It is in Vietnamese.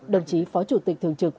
đồng chí phó chủ tịch thường trực